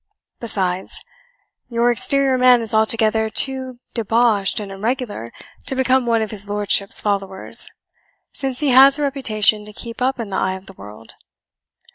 Besides, your exterior man is altogether too deboshed and irregular to become one of his lordship's followers, since he has a reputation to keep up in the eye of the world.